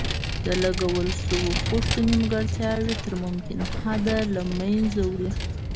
د لګول شویو خښتو نیمګړتیاوې تر ممکن حده له منځه وړي.